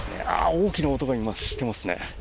大きな音が今、していますね。